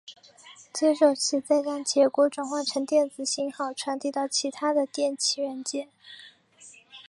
接收器再将结果转换成电子信号传递到其它的电气元件。